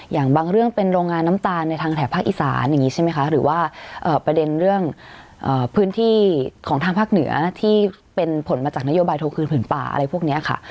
อย่างบางเรื่องเป็นโรงงานน้ำตาลในทางแถบภาคอีสานอย่างนี้ใช่ไหมคะหรือว่าประเด็นเรื่องพื้นที่ของทางภาคเหนือที่เป็นผลมาจากนโยบายโทรคืนผืนป่าอะไรพวกนี้ค่ะ